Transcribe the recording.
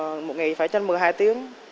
ép làm một ngày phải chân một mươi hai tiếng